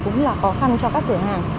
cũng là khó khăn cho các cửa hàng